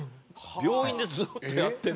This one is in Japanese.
病院でずっとやってるの？